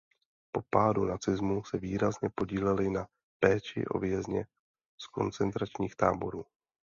Po pádu nacismu se výrazně podílely na péči o vězně z koncentračních táborů.